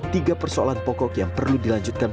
tiga persoalan pokok yang perlu dilanjutkan